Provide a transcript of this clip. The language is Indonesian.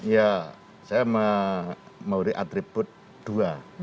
ya saya mau di attribute dua